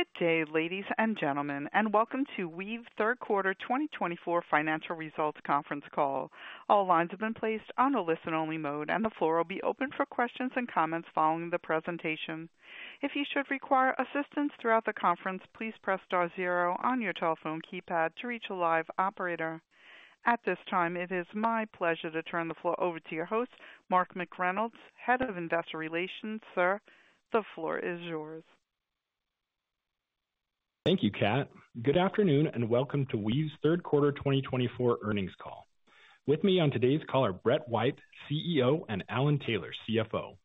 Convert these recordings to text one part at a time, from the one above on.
Pop-out Texting, ladies and gentlemen, and welcome to Weave Q3 2024 Financial Results Conference Call. All lines have been placed on a listen-only mode, and the floor will be open for questions and comments following the presentation. If you should require assistance throughout the conference, please press star zero on your telephone keypad to reach a live operator. At this time, it is my pleasure to turn the floor over to your host, Mark McReynolds, Head of Investor Relations. Sir, the floor is yours. Thank you, Kat. Good afternoon and welcome to Weave Q3 2024 Earnings Call. With me on today's call are Brett White, CEO, and Alan Taylor, CFO.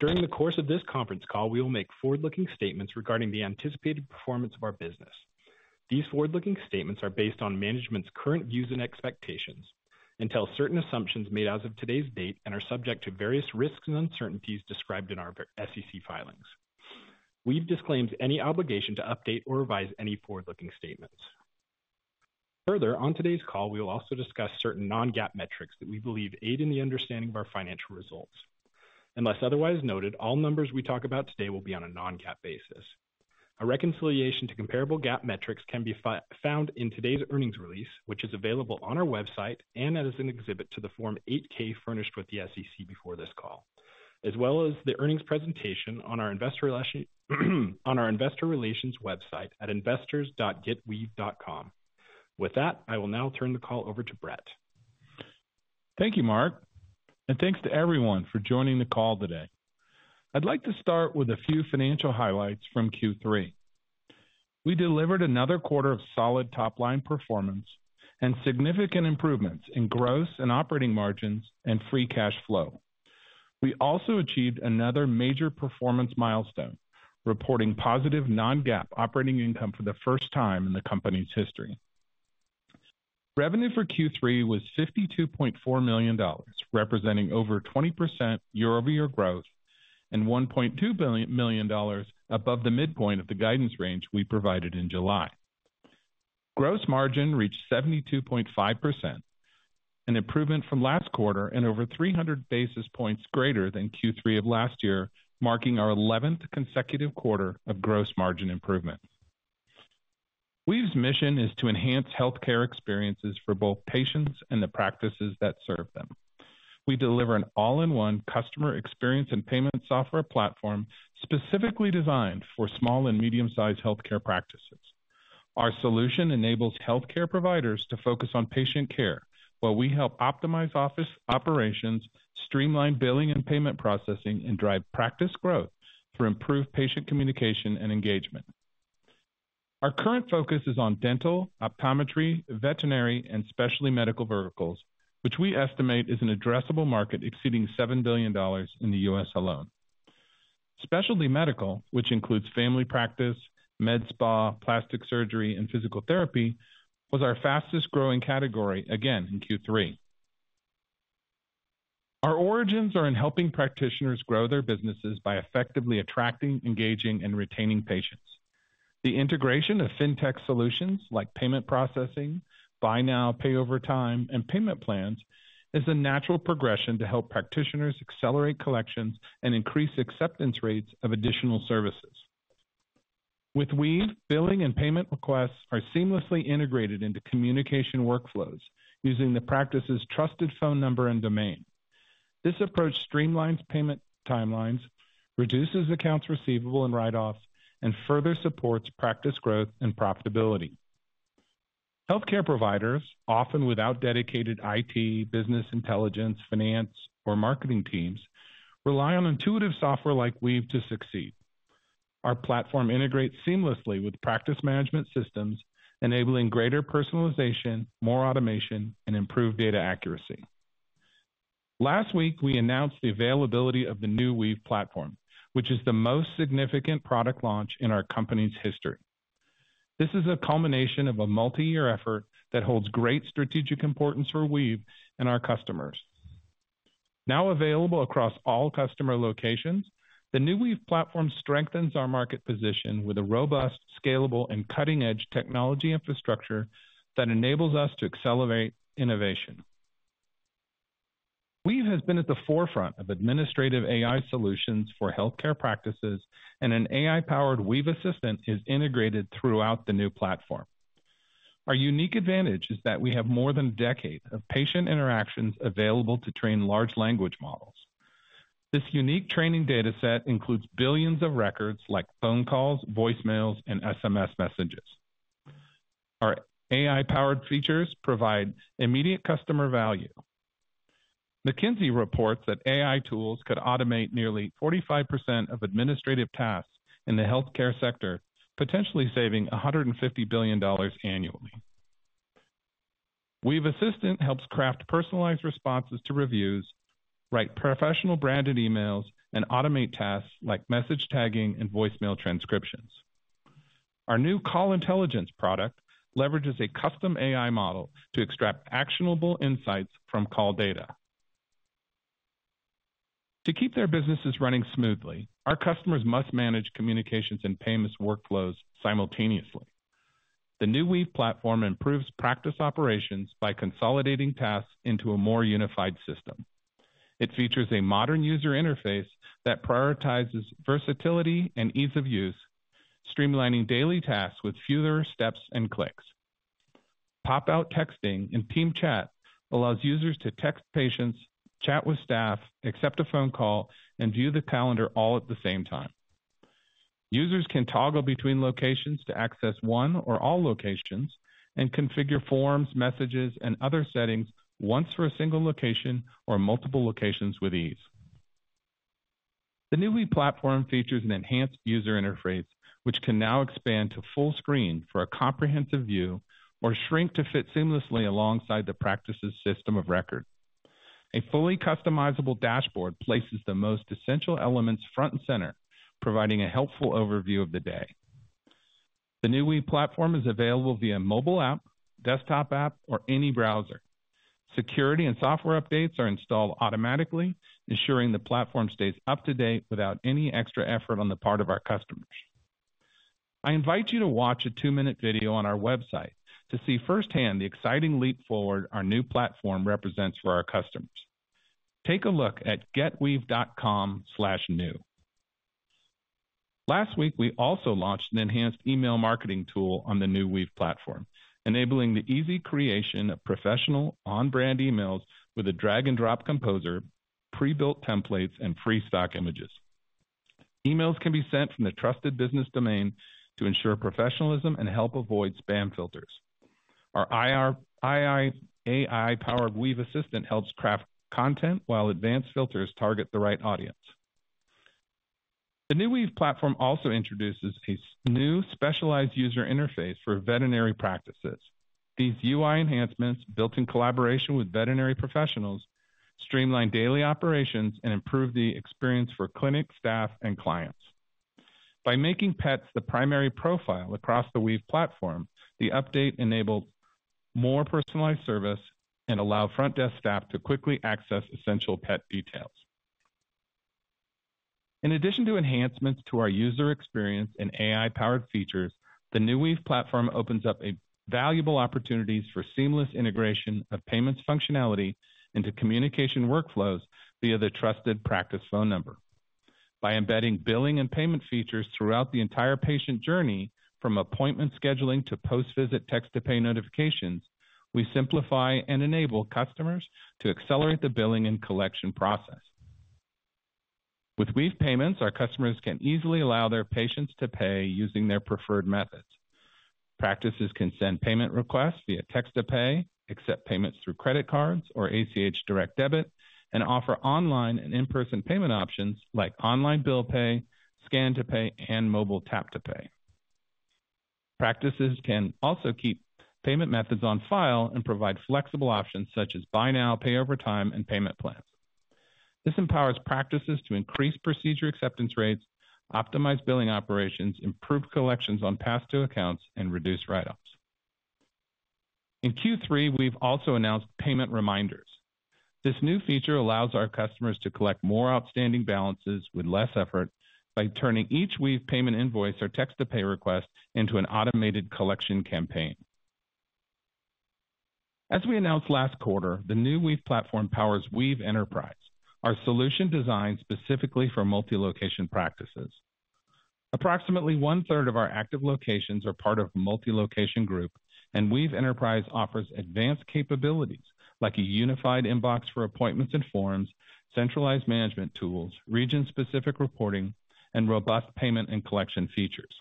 During the course of this conference call, we will make forward-looking statements regarding the anticipated performance of our business. These forward-looking statements are based on management's current views and expectations and entail certain assumptions made as of today's date and are subject to various risks and uncertainties described in our SEC filings. Weave disclaims any obligation to update or revise any forward-looking statements. Further, on today's call, we will also discuss certain non-GAAP metrics that we believe aid in the understanding of our financial results. Unless otherwise noted, all numbers we talk about today will be on a non-GAAP basis. A reconciliation to comparable GAAP metrics can be found in today's earnings release, which is available on our website and as an exhibit to the Form 8-K furnished with the SEC before this call, as well as the earnings presentation on our Investor Relations website at investors.weave.com. With that, I will now turn the call over to Brett. Thank you, Mark, and thanks to everyone for joining the call today. I'd like to start with a few financial highlights from Q3. We delivered another quarter of solid top-line performance and significant improvements in gross and operating margins and free cash flow. We also achieved another major performance milestone, reporting positive Non-GAAP operating income for the first time in the company's history. Revenue for Q3 was $52.4 million, representing over 20% year-over-year growth and $1.2 million above the midpoint of the guidance range we provided in July. Gross margin reached 72.5%, an improvement from last quarter and over 300 basis points greater than Q3 of last year, marking our 11th consecutive quarter of gross margin improvement. Weave's mission is to enhance healthcare experiences for both patients and the practices that serve them. We deliver an all-in-one customer experience and payment software platform specifically designed for small and medium-sized healthcare practices. Our solution enables healthcare providers to focus on patient care while we help optimize office operations, streamline billing and payment processing, and drive practice growth through improved patient communication and engagement. Our current focus is on dental, optometry, veterinary, and specialty medical verticals, which we estimate is an addressable market exceeding $7 billion in the U.S. alone. Specialty medical, which includes family practice, med spa, plastic surgery, and physical therapy, was our fastest-growing category again in Q3. Our origins are in helping practitioners grow their businesses by effectively attracting, engaging, and retaining patients. The integration of fintech solutions like payment processing, buy now, pay over time, and payment plans is a natural progression to help practitioners accelerate collections and increase acceptance rates of additional services. With Weave, billing and payment requests are seamlessly integrated into communication workflows using the practice's trusted phone number and domain. This approach streamlines payment timelines, reduces accounts receivable and write-offs, and further supports practice growth and profitability. Healthcare providers, often without dedicated IT, business intelligence, finance, or marketing teams, rely on intuitive software like Weave to succeed. Our platform integrates seamlessly with practice management systems, enabling greater personalization, more automation, and improved data accuracy. Last week, we announced the availability of the new Weave platform, which is the most significant product launch in our company's history. This is a culmination of a multi-year effort that holds great strategic importance for Weave and our customers. Now available across all customer locations, the new Weave platform strengthens our market position with a robust, scalable, and cutting-edge technology infrastructure that enables us to accelerate innovation. Weave has been at the forefront of administrative AI solutions for healthcare practices, and an AI-powered Weave Assistant is integrated throughout the new platform. Our unique advantage is that we have more than a decade of patient interactions available to train large language models. This unique training data set includes billions of records like phone calls, voicemails, and SMS messages. Our AI-powered features provide immediate customer value. McKinsey reports that AI tools could automate nearly 45% of administrative tasks in the healthcare sector, potentially saving $150 billion annually. Weave Assistant helps craft personalized responses to reviews, write professional branded emails, and automate tasks like message tagging and voicemail transcriptions. Our new Call Intelligence product leverages a custom AI model to extract actionable insights from call data. To keep their businesses running smoothly, our customers must manage communications and payments workflows simultaneously. The new Weave Platform improves practice operations by consolidating tasks into a more unified system. It features a modern user interface that prioritizes versatility and ease of use, streamlining daily tasks with fewer steps and clicks. Pop-out Texting and Team Chat allows users to text patients, chat with staff, accept a phone call, and view the calendar all at the same time. Users can toggle between locations to access one or all locations and configure forms, messages, and other settings once for a single location or multiple locations with ease. The new Weave Platform features an enhanced user interface, which can now expand to full screen for a comprehensive view or shrink to fit seamlessly alongside the practice's system of record. A fully customizable dashboard places the most essential elements front and center, providing a helpful overview of the day. The new Weave platform is available via mobile app, desktop app, or any browser. Security and software updates are installed automatically, ensuring the platform stays up to date without any extra effort on the part of our customers. I invite you to watch a two-minute video on our website to see firsthand the exciting leap forward our new platform represents for our customers. Take a look at getweave.com/new. Last week, we also launched an enhanced email marketing tool on the new Weave platform, enabling the easy creation of professional on-brand emails with a drag-and-drop composer, pre-built templates, and free stock images. Emails can be sent from the trusted business domain to ensure professionalism and help avoid spam filters. Our AI-powered Weave Assistant helps craft content while advanced filters target the right audience. The new Weave platform also introduces a new specialized user interface for veterinary practices. These UI enhancements, built in collaboration with veterinary professionals, streamline daily operations and improve the experience for clinic staff and clients. By making pets the primary profile across the Weave platform, the update enabled more personalized service and allowed front desk staff to quickly access essential pet details. In addition to enhancements to our user experience and AI-powered features, the new Weave platform opens up valuable opportunities for seamless integration of payments functionality into communication workflows via the trusted practice phone number. By embedding billing and payment features throughout the entire patient journey, from appointment scheduling to post-visit text-to-pay notifications, we simplify and enable customers to accelerate the billing and collection process. With Weave Payments, our customers can easily allow their patients to pay using their preferred methods. Practices can send payment requests via text-to-pay, accept payments through credit cards or ACH direct debit, and offer online and in-person payment options like online bill pay, scan-to-pay, and mobile tap-to-pay. Practices can also keep payment methods on file and provide flexible options such as buy now, pay over time, and payment plans. This empowers practices to increase procedure acceptance rates, optimize billing operations, improve collections on past due accounts, and reduce write-offs. In Q3, we've also announced Payment Reminders. This new feature allows our customers to collect more outstanding balances with less effort by turning each Weave payment invoice or text-to-pay request into an automated collection campaign. As we announced last quarter, the new Weave Platform powers Weave Enterprise, our solution designed specifically for multi-location practices. Approximately one-third of our active locations are part of a multi-location group, and Weave Enterprise offers advanced capabilities like a unified inbox for appointments and forms, centralized management tools, region-specific reporting, and robust payment and collection features.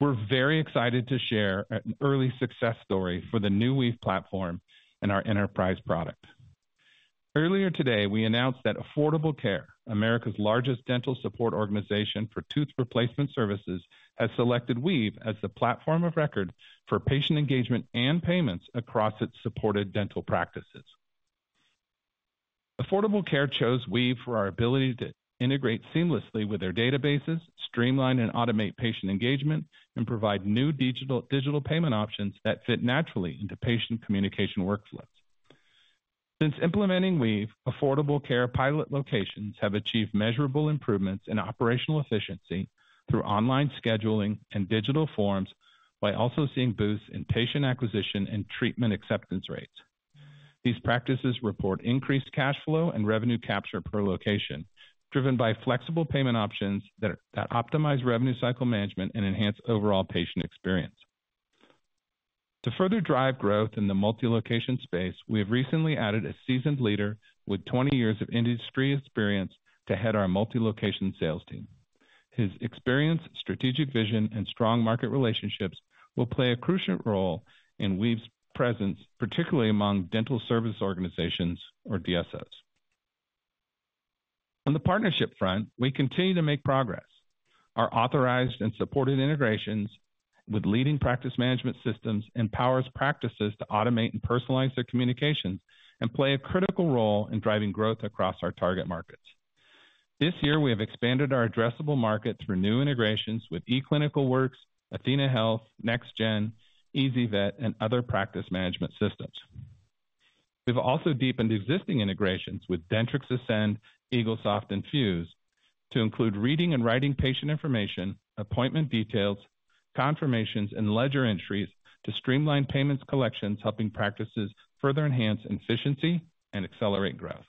We're very excited to share an early success story for the new Weave platform and our enterprise product. Earlier today, we announced that Affordable Care, America's largest dental support organization for tooth replacement services, has selected Weave as the platform of record for patient engagement and payments across its supported dental practices. Affordable Care chose Weave for our ability to integrate seamlessly with their databases, streamline and automate patient engagement, and provide new digital payment options that fit naturally into patient communication workflows. Since implementing Weave, Affordable Care pilot locations have achieved measurable improvements in operational efficiency through online scheduling and digital forms while also seeing boosts in patient acquisition and treatment acceptance rates. These practices report increased cash flow and revenue capture per location, driven by flexible payment options that optimize revenue cycle management and enhance overall patient experience. To further drive growth in the multi-location space, we have recently added a seasoned leader with 20 years of industry experience to head our multi-location sales team. His experience, strategic vision, and strong market relationships will play a crucial role in Weave's presence, particularly among dental support organizations, or DSOs. On the partnership front, we continue to make progress. Our authorized and supported integrations with leading practice management systems empower practices to automate and personalize their communications and play a critical role in driving growth across our target markets. This year, we have expanded our addressable market through new integrations with eClinicalWorks, athenahealth, NextGen, ezyVet, and other practice management systems. We've also deepened existing integrations with Dentrix Ascend, Eaglesoft, and Fuse to include reading and writing patient information, appointment details, confirmations, and ledger entries to streamline payments collections, helping practices further enhance efficiency and accelerate growth.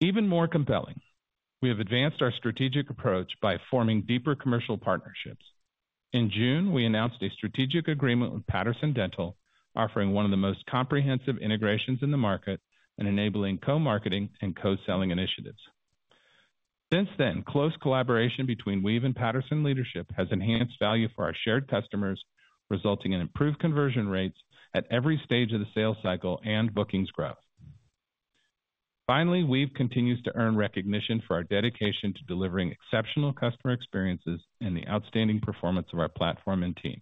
Even more compelling, we have advanced our strategic approach by forming deeper commercial partnerships. In June, we announced a strategic agreement with Patterson Dental, offering one of the most comprehensive integrations in the market and enabling co-marketing and co-selling initiatives. Since then, close collaboration between Weave and Patterson leadership has enhanced value for our shared customers, resulting in improved conversion rates at every stage of the sales cycle and bookings growth. Finally, Weave continues to earn recognition for our dedication to delivering exceptional customer experiences and the outstanding performance of our platform and team.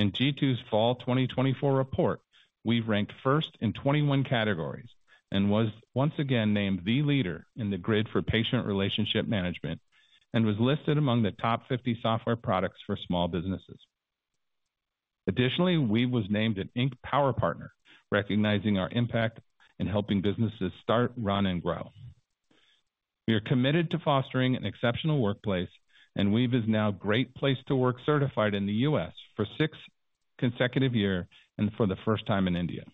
In G2's Fall 2024 report, Weave ranked first in 21 categories and was once again named the leader in the grid for patient relationship management and was listed among the top 50 software products for small businesses. Additionally, Weave was named an Inc. Power Partner, recognizing our impact in helping businesses start, run, and grow. We are committed to fostering an exceptional workplace, and Weave is now Great Place To Work certified in the U.S. for six consecutive years and for the first time in India.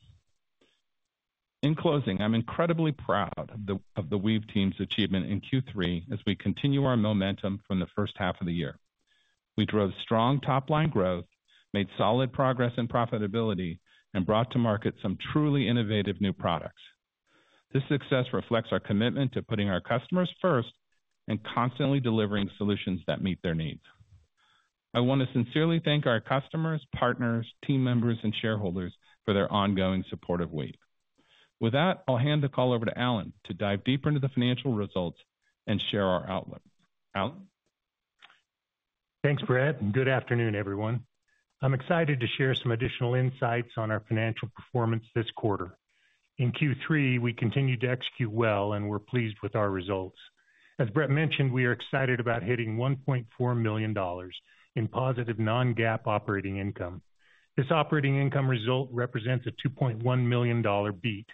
In closing, I'm incredibly proud of the Weave team's achievement in Q3 as we continue our momentum from the first half of the year. We drove strong top-line growth, made solid progress in profitability, and brought to market some truly innovative new products. This success reflects our commitment to putting our customers first and constantly delivering solutions that meet their needs. I want to sincerely thank our customers, partners, team members, and shareholders for their ongoing support of Weave. With that, I'll hand the call over to Alan to dive deeper into the financial results and share our outlook. Alan. Thanks, Brett, and good afternoon, everyone. I'm excited to share some additional insights on our financial performance this quarter. In Q3, we continued to execute well, and we're pleased with our results. As Brett mentioned, we are excited about hitting $1.4 million in positive Non-GAAP operating income. This operating income result represents a $2.1 million beat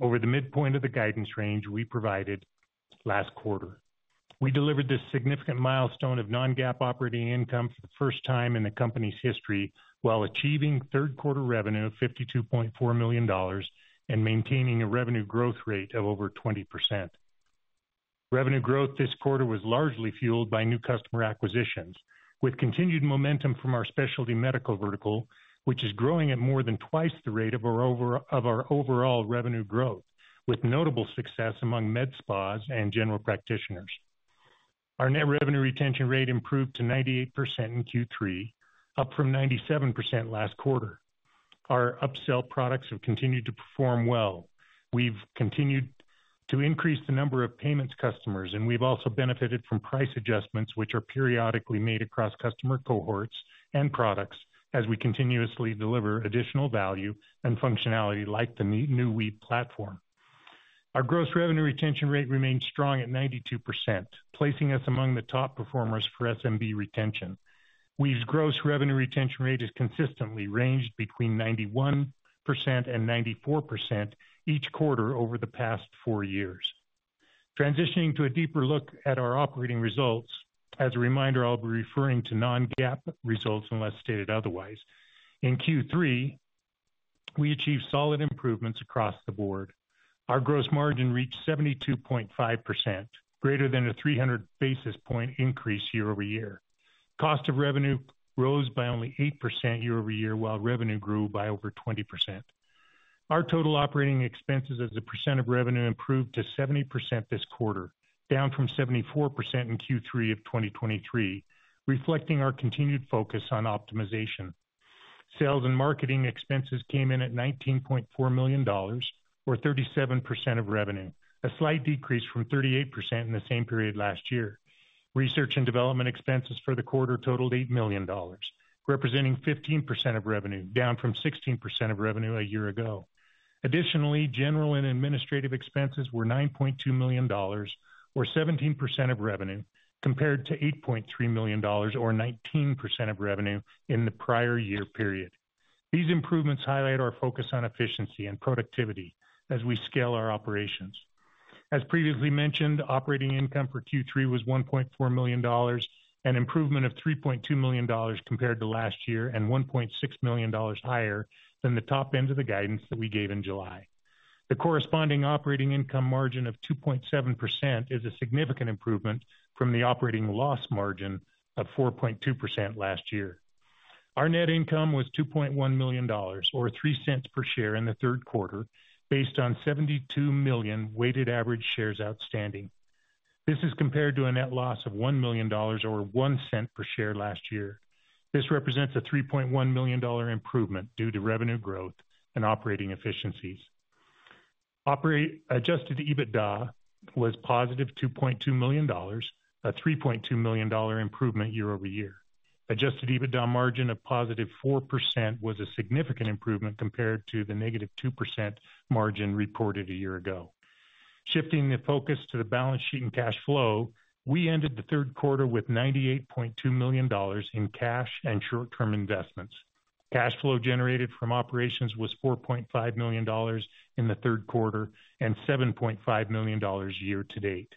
over the midpoint of the guidance range we provided last quarter. We delivered this significant milestone of non-GAAP operating income for the first time in the company's history while achieving third-quarter revenue of $52.4 million and maintaining a revenue growth rate of over 20%. Revenue growth this quarter was largely fueled by new customer acquisitions, with continued momentum from our specialty medical vertical, which is growing at more than twice the rate of our overall revenue growth, with notable success among med spas and general practitioners. Our net revenue retention rate improved to 98% in Q3, up from 97% last quarter. Our upsell products have continued to perform well. We've continued to increase the number of payments customers, and we've also benefited from price adjustments, which are periodically made across customer cohorts and products as we continuously deliver additional value and functionality like the new Weave platform. Our gross revenue retention rate remained strong at 92%, placing us among the top performers for SMB retention. Weave's gross revenue retention rate has consistently ranged between 91% and 94% each quarter over the past four years. Transitioning to a deeper look at our operating results, as a reminder, I'll be referring to non-GAAP results unless stated otherwise. In Q3, we achieved solid improvements across the board. Our gross margin reached 72.5%, greater than a 300 basis point increase year over year. Cost of revenue rose by only 8% year over year, while revenue grew by over 20%. Our total operating expenses as a percent of revenue improved to 70% this quarter, down from 74% in Q3 of 2023, reflecting our continued focus on optimization. Sales and marketing expenses came in at $19.4 million, or 37% of revenue, a slight decrease from 38% in the same period last year. Research and development expenses for the quarter totaled $8 million, representing 15% of revenue, down from 16% of revenue a year ago. Additionally, general and administrative expenses were $9.2 million, or 17% of revenue, compared to $8.3 million, or 19% of revenue in the prior year period. These improvements highlight our focus on efficiency and productivity as we scale our operations. As previously mentioned, operating income for Q3 was $1.4 million, an improvement of $3.2 million compared to last year and $1.6 million higher than the top end of the guidance that we gave in July. The corresponding operating income margin of 2.7% is a significant improvement from the operating loss margin of 4.2% last year. Our net income was $2.1 million, or $0.03 per share in the third quarter, based on 72 million weighted average shares outstanding. This is compared to a net loss of $1 million, or $0.01 per share last year. This represents a $3.1 million improvement due to revenue growth and operating efficiencies. Adjusted EBITDA was positive $2.2 million, a $3.2 million improvement year over year. Adjusted EBITDA margin of positive 4% was a significant improvement compared to the negative 2% margin reported a year ago. Shifting the focus to the balance sheet and cash flow, we ended the third quarter with $98.2 million in cash and short-term investments. Cash flow generated from operations was $4.5 million in the third quarter and $7.5 million year to date.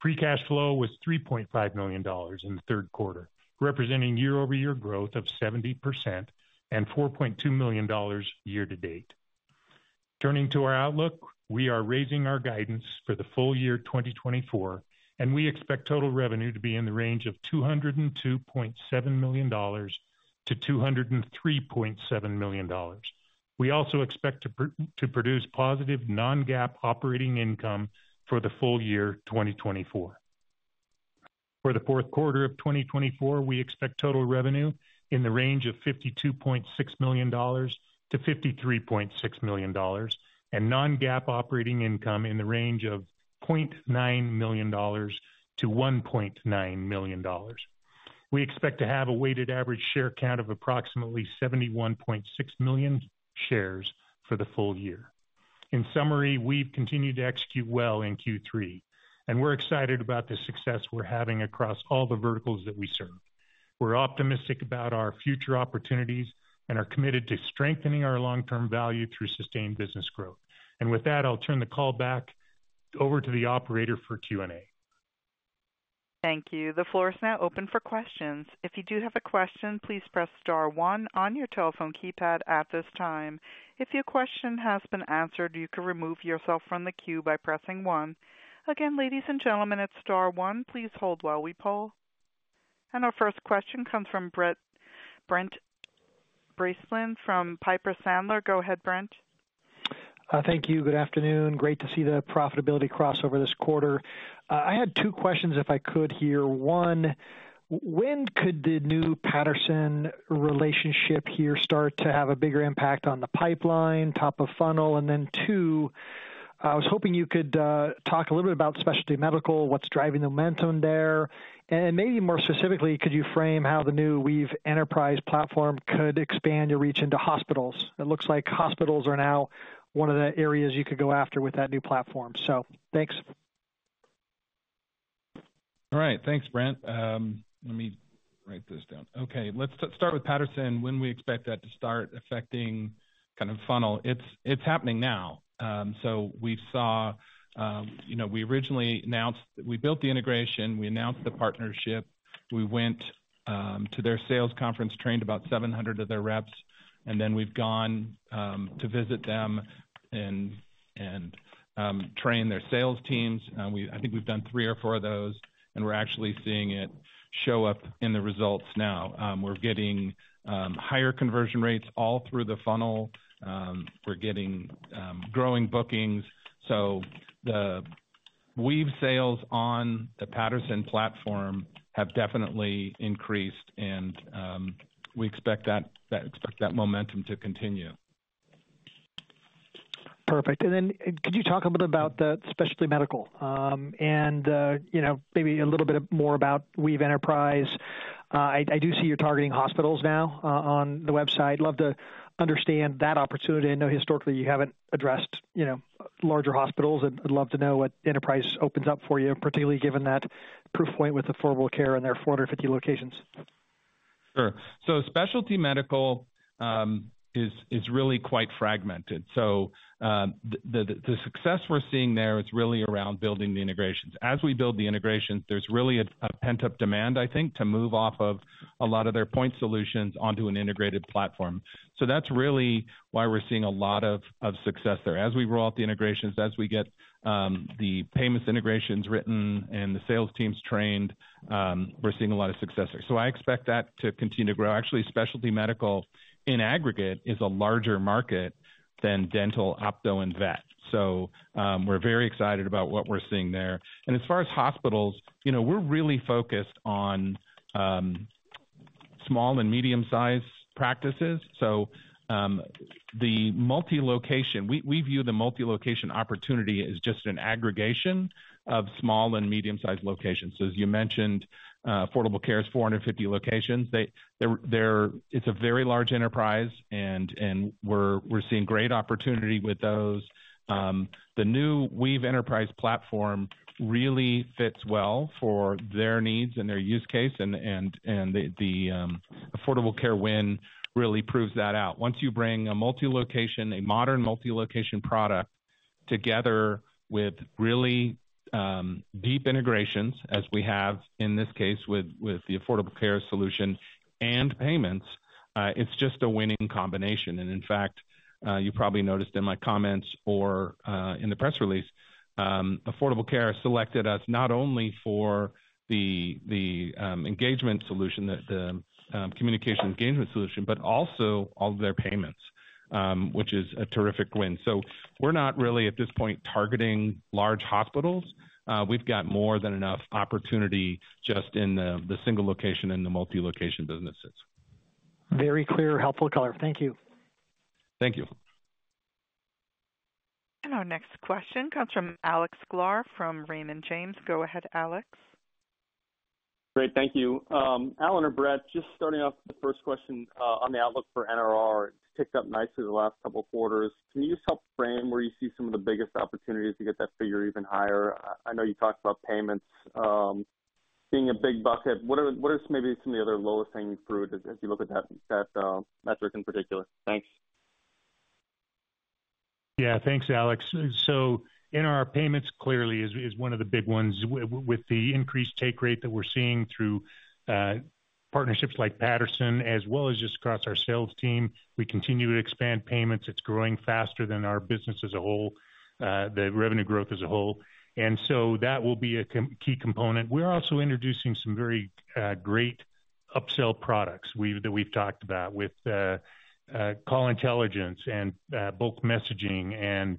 Free cash flow was $3.5 million in the third quarter, representing year-over-year growth of 70% and $4.2 million year to date. Turning to our outlook, we are raising our guidance for the full year 2024, and we expect total revenue to be in the range of $202.7 million-$203.7 million. We also expect to produce positive Non-GAAP operating income for the full year 2024. For the fourth quarter of 2024, we expect total revenue in the range of $52.6 million-$53.6 million and Non-GAAP operating income in the range of $0.9 million-$1.9 million. We expect to have a weighted average share count of approximately 71.6 million shares for the full year. In summary, we've continued to execute well in Q3, and we're excited about the success we're having across all the verticals that we serve. We're optimistic about our future opportunities and are committed to strengthening our long-term value through sustained business growth, and with that, I'll turn the call back over to the operator for Q&A. Thank you. The floor is now open for questions. If you do have a question, please press star one on your telephone keypad at this time. If your question has been answered, you can remove yourself from the queue by pressing one. Again, ladies and gentlemen, press star one. Please hold while we poll. Our first question comes from Brent Bracelin from Piper Sandler. Go ahead, Brent. Thank you. Good afternoon. Great to see the profitability crossover this quarter. I had two questions, if I could here. One, when could the new Patterson relationship here start to have a bigger impact on the pipeline, top of funnel? And then two, I was hoping you could talk a little bit about specialty medical, what's driving the momentum there. And maybe more specifically, could you frame how the new Weave Enterprise platform could expand your reach into hospitals? It looks like hospitals are now one of the areas you could go after with that new platform. So thanks. All right. Thanks, Brent. Let me write this down. Okay. Let's start with Patterson. When do we expect that to start affecting kind of funnel? It's happening now. So we originally announced we built the integration. We announced the partnership. We went to their sales conference, trained about 700 of their reps, and then we've gone to visit them and train their sales teams. I think we've done three or four of those, and we're actually seeing it show up in the results now. We're getting higher conversion rates all through the funnel. We're getting growing bookings. So the Weave sales on the Patterson platform have definitely increased, and we expect that momentum to continue. Perfect. And then could you talk a little bit about that specialty medical and maybe a little bit more about Weave Enterprise? I do see you're targeting hospitals now on the website. I'd love to understand that opportunity. I know historically you haven't addressed larger hospitals. I'd love to know what enterprise opens up for you, particularly given that proof point with Affordable Care and their 450 locations. Sure. So specialty medical is really quite fragmented. So the success we're seeing there is really around building the integrations. As we build the integrations, there's really a pent-up demand, I think, to move off of a lot of their point solutions onto an integrated platform. So that's really why we're seeing a lot of success there. As we roll out the integrations, as we get the payments integrations written and the sales teams trained, we're seeing a lot of success there. So I expect that to continue to grow. Actually, specialty medical in aggregate is a larger market than dental, opto, and vet. So we're very excited about what we're seeing there. And as far as hospitals, we're really focused on small and medium-sized practices. So the multi-location, we view the multi-location opportunity as just an aggregation of small and medium-sized locations. So as you mentioned, Affordable Care has 450 locations. It's a very large enterprise, and we're seeing great opportunity with those. The new Weave Enterprise platform really fits well for their needs and their use case, and the Affordable Care win really proves that out. Once you bring a multi-location, a modern multi-location product together with really deep integrations, as we have in this case with the Affordable Care solution and payments, it's just a winning combination. In fact, you probably noticed in my comments or in the press release, Affordable Care has selected us not only for the engagement solution, the communication engagement solution, but also all of their payments, which is a terrific win. We're not really at this point targeting large hospitals. We've got more than enough opportunity just in the single location and the multi-location businesses. Very clear, helpful color. Thank you. Thank you. Our next question comes from Alex Sklar from Raymond James. Go ahead, Alex. Great. Thank you. Alan or Brett, just starting off the first question on the outlook for NRR, it's ticked up nicely the last couple of quarters. Can you just help frame where you see some of the biggest opportunities to get that figure even higher? I know you talked about payments being a big bucket. What are maybe some of the other lowest-hanging fruit as you look at that metric in particular? Thanks. Yeah. Thanks, Alex. So NRR payments clearly is one of the big ones. With the increased take rate that we're seeing through partnerships like Patterson, as well as just across our sales team, we continue to expand payments. It's growing faster than our business as a whole, the revenue growth as a whole. And so that will be a key component. We're also introducing some very great upsell products that we've talked about with Call Intelligence and bulk messaging and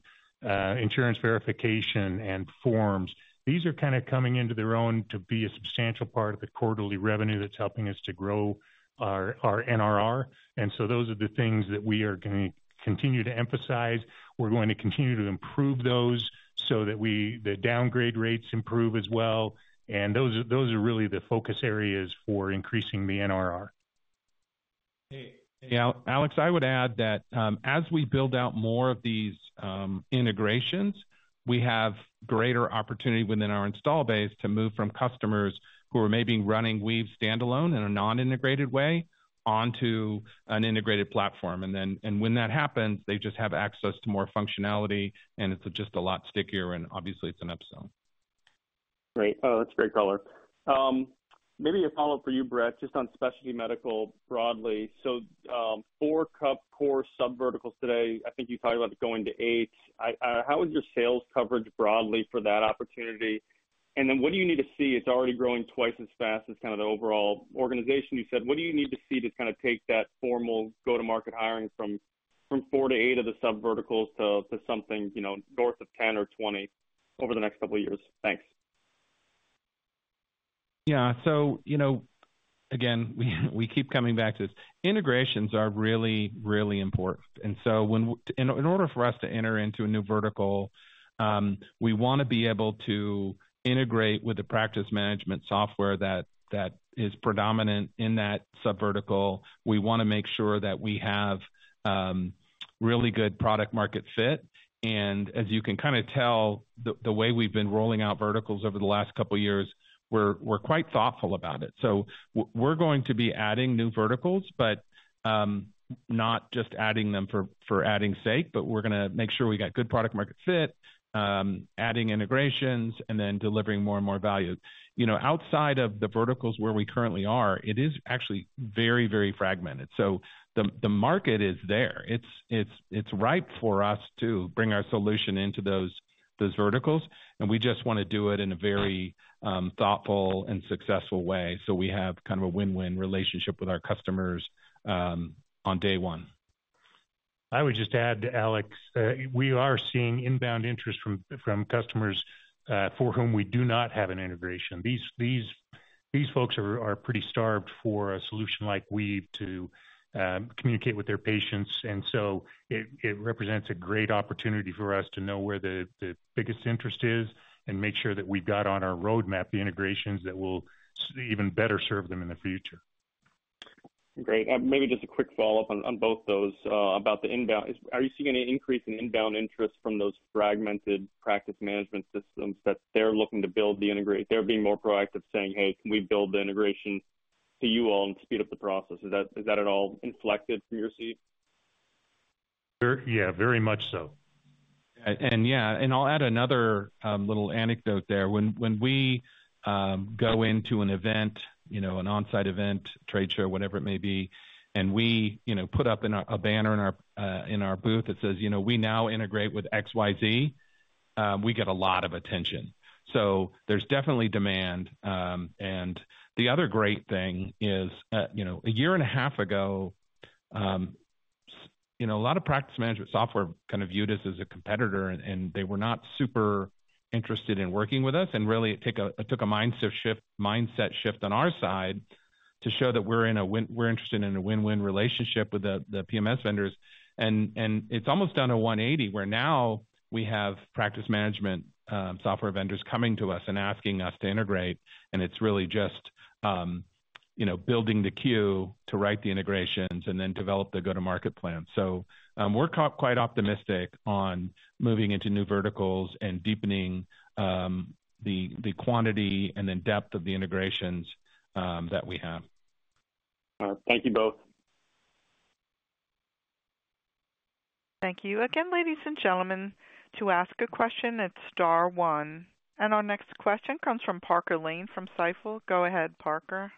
Insurance Verification and forms. These are kind of coming into their own to be a substantial part of the quarterly revenue that's helping us to grow our NRR. And so those are the things that we are going to continue to emphasize. We're going to continue to improve those so that the downgrade rates improve as well, and those are really the focus areas for increasing the NRR. Hey, Alex, I would add that as we build out more of these integrations, we have greater opportunity within our installed base to move from customers who are maybe running Weave standalone in a non-integrated way onto an integrated platform, and when that happens, they just have access to more functionality, and it's just a lot stickier, and obviously, it's an upsell. Great. Oh, that's a great color. Maybe a follow-up for you, Brett, just on specialty medical broadly. So four core subverticals today. I think you talked about going to eight. How is your sales coverage broadly for that opportunity? And then what do you need to see? It's already growing twice as fast as kind of the overall organization you said. What do you need to see to kind of take that formal go-to-market hiring from four to eight of the subverticals to something north of 10 or 20 over the next couple of years? Thanks. Yeah. So again, we keep coming back to this. Integrations are really, really important. And so in order for us to enter into a new vertical, we want to be able to integrate with the practice management software that is predominant in that subvertical. We want to make sure that we have really good product-market fit. And as you can kind of tell, the way we've been rolling out verticals over the last couple of years, we're quite thoughtful about it. So we're going to be adding new verticals, but not just adding them for adding sake, but we're going to make sure we got good product-market fit, adding integrations, and then delivering more and more value. Outside of the verticals where we currently are, it is actually very, very fragmented. So the market is there. It's ripe for us to bring our solution into those verticals, and we just want to do it in a very thoughtful and successful way. So we have kind of a win-win relationship with our customers on day one. I would just add, Alex, we are seeing inbound interest from customers for whom we do not have an integration. These folks are pretty starved for a solution like Weave to communicate with their patients. And so it represents a great opportunity for us to know where the biggest interest is and make sure that we've got on our roadmap the integrations that will even better serve them in the future. Great. Maybe just a quick follow-up on both those about the inbound. Are you seeing any increase in inbound interest from those fragmented practice management systems that they're looking to build the integration? They're being more proactive, saying, "Hey, can we build the integration to you all and speed up the process?" Is that at all reflected from your seat? Yeah, very much so. And yeah, and I'll add another little anecdote there. When we go into an event, an onsite event, trade show, whatever it may be, and we put up a banner in our booth that says, "We now integrate with XYZ," we get a lot of attention. So there's definitely demand. The other great thing is a year and a half ago, a lot of practice management software kind of viewed us as a competitor, and they were not super interested in working with us. Really, it took a mindset shift on our side to show that we're interested in a win-win relationship with the PMS vendors. It's almost done a 180 where now we have practice management software vendors coming to us and asking us to integrate. It's really just building the queue to write the integrations and then develop the go-to-market plan. We're quite optimistic on moving into new verticals and deepening the quantity and the depth of the integrations that we have. All right. Thank you both. Thank you again, ladies and gentlemen. To ask a question, press star one. Our next question comes from Parker Lane from Stifel. Go ahead, Parker.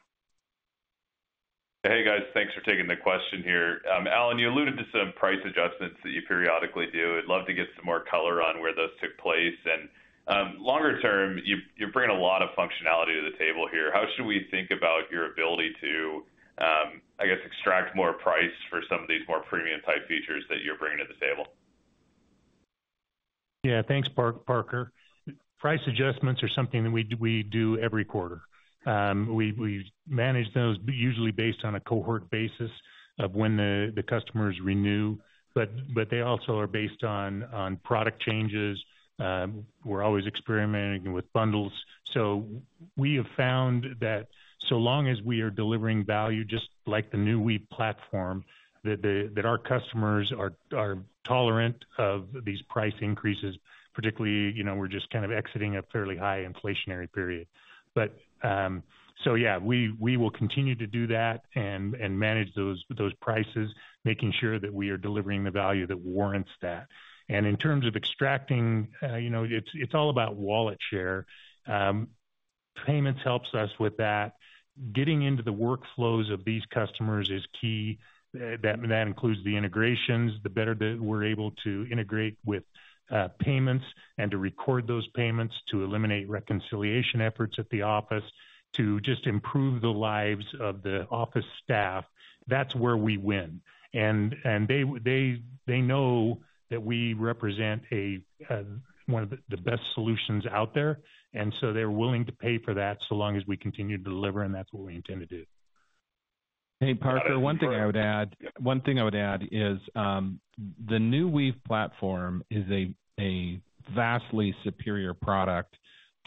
Hey, guys. Thanks for taking the question here. Alan, you alluded to some price adjustments that you periodically do. I'd love to get some more color on where those took place. And longer term, you're bringing a lot of functionality to the table here. How should we think about your ability to, I guess, extract more price for some of these more premium-type features that you're bringing to the table? Yeah. Thanks, Parker. Price adjustments are something that we do every quarter. We manage those usually based on a cohort basis of when the customers renew, but they also are based on product changes. We're always experimenting with bundles. So we have found that so long as we are delivering value, just like the new Weave platform, that our customers are tolerant of these price increases, particularly we're just kind of exiting a fairly high inflationary period. So yeah, we will continue to do that and manage those prices, making sure that we are delivering the value that warrants that. And in terms of extracting, it's all about wallet share. Payments helps us with that. Getting into the workflows of these customers is key. That includes the integrations, the better that we're able to integrate with payments and to record those payments to eliminate reconciliation efforts at the office, to just improve the lives of the office staff. That's where we win. And they know that we represent one of the best solutions out there. And so they're willing to pay for that so long as we continue to deliver, and that's what we intend to do. Hey, Parker, one thing I would add is the new Weave Platform is a vastly superior product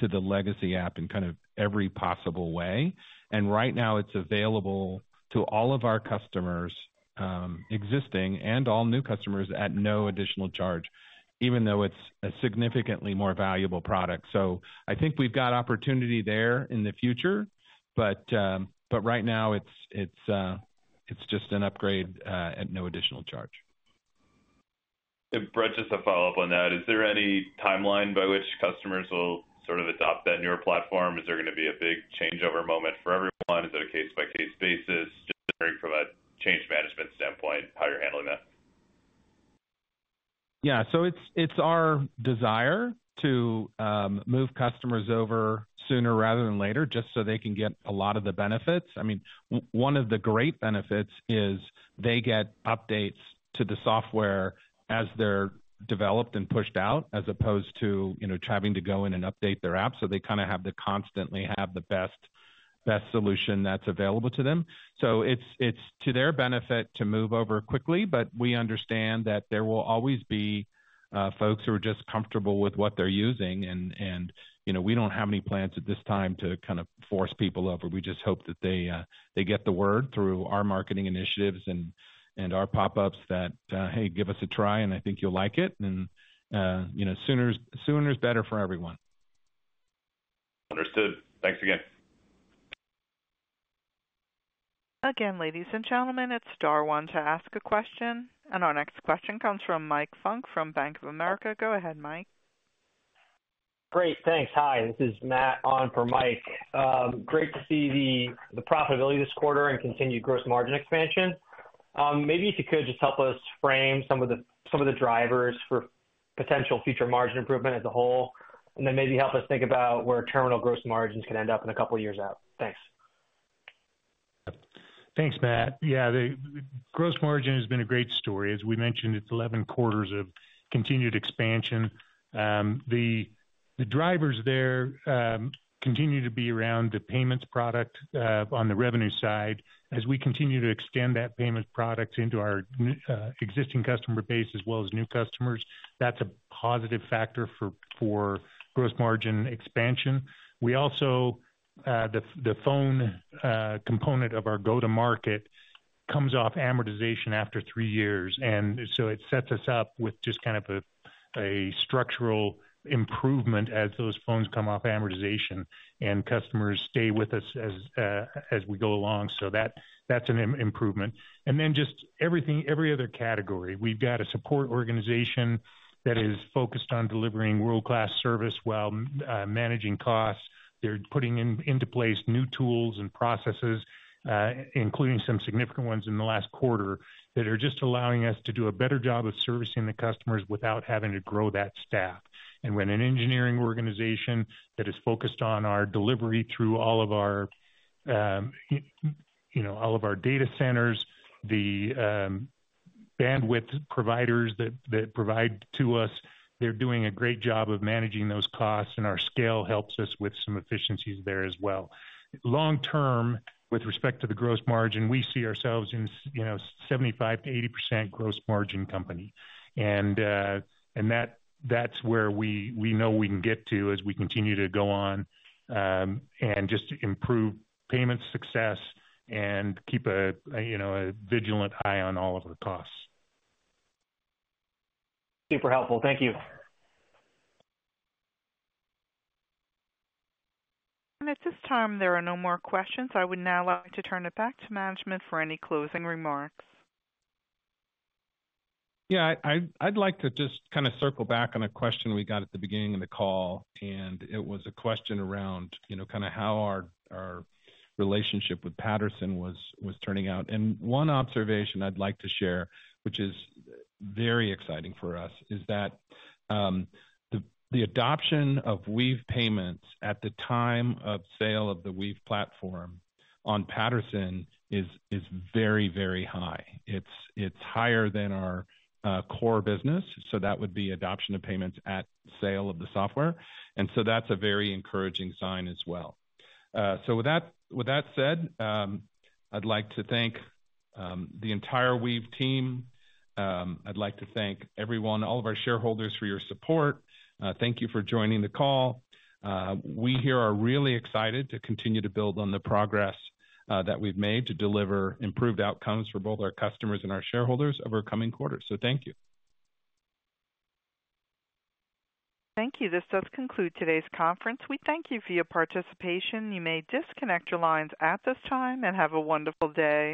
to the legacy app in kind of every possible way. And right now, it's available to all of our customers, existing and all new customers, at no additional charge, even though it's a significantly more valuable product. So I think we've got opportunity there in the future, but right now, it's just an upgrade at no additional charge. And Brett, just to follow up on that, is there any timeline by which customers will sort of adopt that newer platform? Is there going to be a big changeover moment for everyone? Is it a case-by-case basis? Just from a change management standpoint, how are you handling that? Yeah. So it's our desire to move customers over sooner rather than later just so they can get a lot of the benefits. I mean, one of the great benefits is they get updates to the software as they're developed and pushed out, as opposed to having to go in and update their app. So they kind of have to constantly have the best solution that's available to them. So it's to their benefit to move over quickly, but we understand that there will always be folks who are just comfortable with what they're using. And we don't have any plans at this time to kind of force people over. We just hope that they get the word through our marketing initiatives and our pop-ups that, "Hey, give us a try, and I think you'll like it." And sooner is better for everyone. Understood. Thanks again. Again, ladies and gentlemen, it's star one to ask a question and our next question comes from Mike Funk from Bank of America. Go ahead, Mike. Great. Thanks. Hi. This is Matt on for Mike. Great to see the profitability this quarter and continued gross margin expansion. Maybe if you could just help us frame some of the drivers for potential future margin improvement as a whole, and then maybe help us think about where terminal gross margins can end up in a couple of years out. Thanks. Thanks, Matt. Yeah. The gross margin has been a great story. As we mentioned, it's 11 quarters of continued expansion. The drivers there continue to be around the payments product on the revenue side. As we continue to extend that payment product into our existing customer base as well as new customers, that's a positive factor for gross margin expansion. We also, the phone component of our go-to-market comes off amortization after three years. And so it sets us up with just kind of a structural improvement as those phones come off amortization, and customers stay with us as we go along. So that's an improvement. And then just every other category. We've got a support organization that is focused on delivering world-class service while managing costs. They're putting into place new tools and processes, including some significant ones in the last quarter, that are just allowing us to do a better job of servicing the customers without having to grow that staff. And we have an engineering organization that is focused on our delivery through all of our data centers, the bandwidth providers that provide to us, they're doing a great job of managing those costs, and our scale helps us with some efficiencies there as well. Long term, with respect to the gross margin, we see ourselves in a 75%-80% gross margin company, and that's where we know we can get to as we continue to go on and just improve payment success and keep a vigilant eye on all of our costs. Super helpful. Thank you. And at this time, there are no more questions. I would now like to turn it back to management for any closing remarks. Yeah. I'd like to just kind of circle back on a question we got at the beginning of the call, and it was a question around kind of how our relationship with Patterson was turning out, and one observation I'd like to share, which is very exciting for us, is that the adoption of Weave Payments at the time of sale of the Weave Platform on Patterson is very, very high. It's higher than our core business. So that would be adoption of payments at sale of the software. And so that's a very encouraging sign as well. So with that said, I'd like to thank the entire Weave team. I'd like to thank everyone, all of our shareholders for your support. Thank you for joining the call. We here are really excited to continue to build on the progress that we've made to deliver improved outcomes for both our customers and our shareholders over the coming quarter. So thank you. Thank you. This does conclude today's conference. We thank you for your participation. You may disconnect your lines at this time and have a wonderful day.